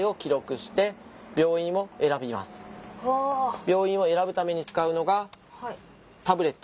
病院を選ぶために使うのがタブレット。